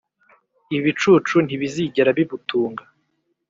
Ibicucu ntibizigera bibutunga,